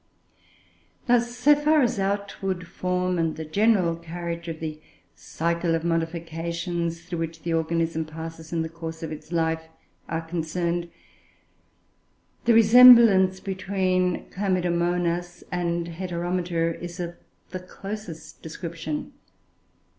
Thus, so far as outward form and the general character of the cycle of modifications, through which the organism passes in the course of its life, are concerned, the resemblance between Chlamydomonas and Heteromita is of the closest description.